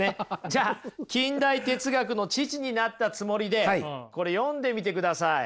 じゃあ近代哲学の父になったつもりでこれ読んでみてください。